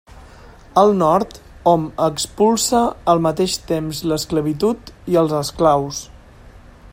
Al Nord hom expulsa al mateix temps l'esclavitud i els esclaus.